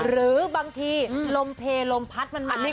หรือบางทีลมเพลลมพัดมันมาไม่